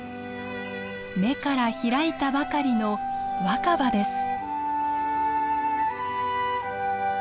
芽から開いたばかりの若葉です。